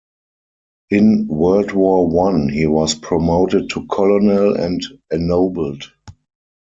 In World War One he was promoted to colonel and ennobled.